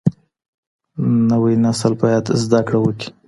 نوی نسل باید زده کړه وکړي.